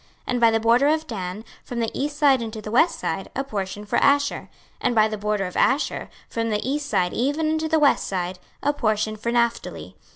26:048:002 And by the border of Dan, from the east side unto the west side, a portion for Asher. 26:048:003 And by the border of Asher, from the east side even unto the west side, a portion for Naphtali.